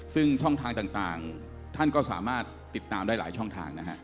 ซึ่งช่องทางต่างท่านก็สามารถติดตามได้หลายช่องทางนะฮะ